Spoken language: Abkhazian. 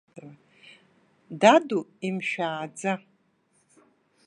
Даду имшәааӡа.